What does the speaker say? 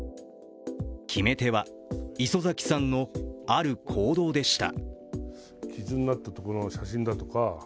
決め手は、磯崎さんのある行動でした。